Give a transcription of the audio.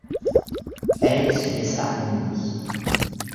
Elle se laissa emmener.